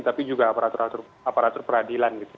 tapi juga aparatur aparatur peradilan gitu